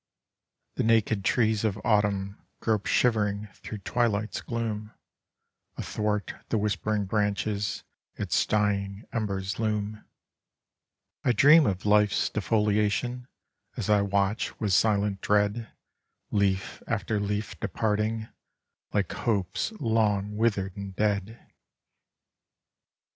The naked trees of autumn grope shivering through twilight's gloom, athwart the whispering branches its dying embers loom. I dream of life's defoliation, as I watch with silent dread, leaf after leaf departing, like hopes long withered and dead.